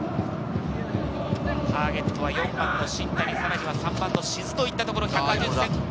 ターゲットは４番の新谷、さらには３番の志津といったところ。